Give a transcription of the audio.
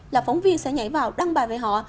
là phóng viên sẽ nhảy vào đăng bài về họ